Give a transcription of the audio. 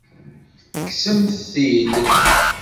Tekksemt-t-id?